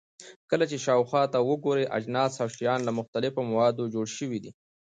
کله چې شاوخوا ته وګورئ، اجناس او شیان له مختلفو موادو جوړ شوي دي.